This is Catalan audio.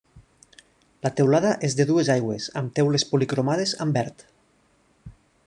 La teulada és de dues aigües amb teules policromades amb verd.